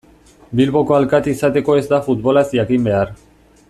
Bilboko alkate izateko ez da futbolaz jakin behar.